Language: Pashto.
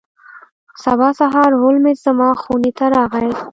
سبا سهار هولمز زما خونې ته راغی.